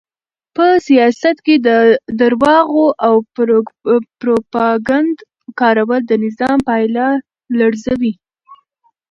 په سیاست کې د درواغو او پروپاګند کارول د نظام پایه لړزوي.